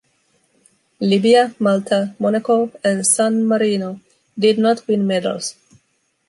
Libya, Malta, Monaco and San-Marino did not win medals.